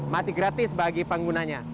masih gratis bagi penggunanya